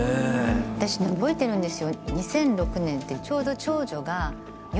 私覚えてるんですよ。